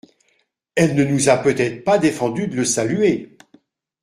Elle ne nous a peut-être pas défendu de le saluer !